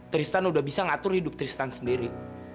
tristan udah bisa ngatur hidup tristan sendiri